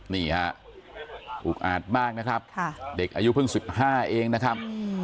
นี่ฮะอุกอาจมากนะครับเด็กอายุเพิ่ง๑๕เองนะครับ